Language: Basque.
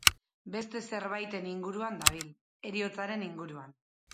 Beste zerbaiten inguruan dabil, heriotzaren inguruan.